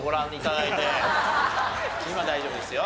今大丈夫ですよ